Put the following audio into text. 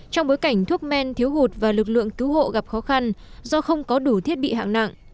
trong bối cảnh thuốc men thiếu hụt và lực lượng cứu hộ gặp khó khăn do không có đủ thiết bị hạng nặng